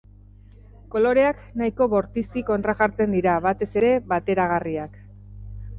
Koloreak, nahiko bortizki kontrajartzen dira, batez ere bateragarriak.